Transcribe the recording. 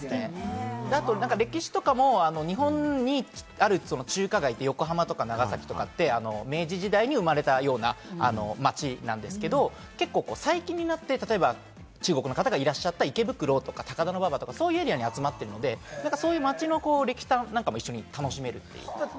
歴史とかも日本にある中華街って、横浜とか長崎とかって明治時代に生まれたような街なんですけど、結構、最近になって、例えば中国の方がいらっしゃった池袋とか、高田馬場とかそういうエリアに集まってるので、街の歴史なんかも楽しめます。